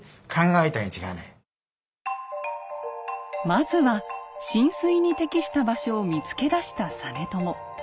まずは進水に適した場所を見つけ出した実朝。